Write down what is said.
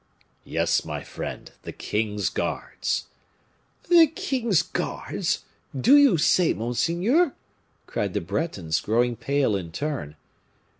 "Yes, my friend, the king's guards." "The king's guards! do you say, monseigneur?" cried the Bretons, growing pale in turn.